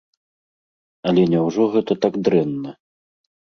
Але няўжо гэта так дрэнна?